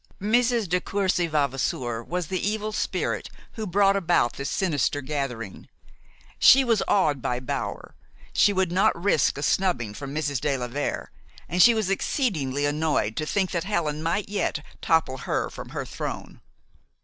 Mrs. de Courcy Vavasour was the evil spirit who brought about this sinister gathering. She was awed by Bower, she would not risk a snubbing from Mrs. de la Vere, and she was exceedingly annoyed to think that Helen might yet topple her from her throne.